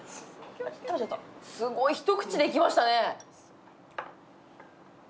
すごい一口でいきましたね。